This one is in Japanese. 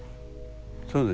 そうですね。